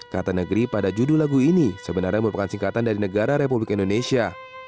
kata negeri pada judul lagu ini sebenarnya merupakan singkatan dari negara republik indonesia